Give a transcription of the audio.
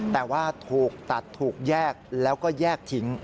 แต่ว่าถูกตัดถูกแยกแล้วก็แยกทิ้ง